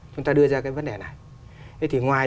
chúng ta đưa ra cái vấn đề này